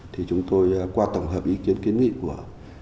thì chúng tôi qua tổng hợp ý kiến kiến nghị của